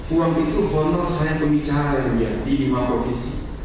uang itu honor saya pembicaraan di lima provinsi